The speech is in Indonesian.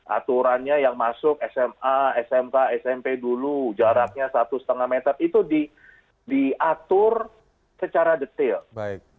aturannya yang masuk sma smk smp dulu jaraknya satu lima meter itu diatur secara detail